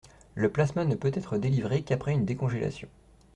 Le plasma ne peut être délivré qu’après une décongélation.